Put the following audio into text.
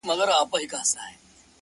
• تر بچیو گوله نه سي رسولای,